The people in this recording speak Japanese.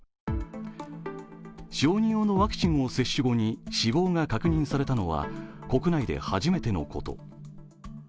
小児用のワクチンを接種後に死亡が確認されたのは国内で初めてのこと。